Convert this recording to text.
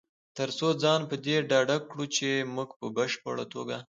تر څو ځان په دې ډاډه کړو چې مونږ په بشپړ توګه